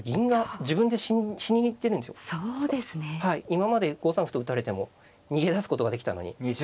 今まで５三歩と打たれても逃げ出すことができたのに。